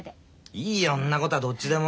いいよんなことはどっちでも。